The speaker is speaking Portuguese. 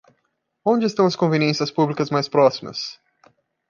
Onde estão as conveniências públicas mais próximas?